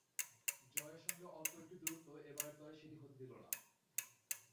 জয়ের সঙ্গে অল্প একটু দূরত্ব এবারের তরে সেটি হতে দিল না।